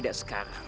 aku akan menang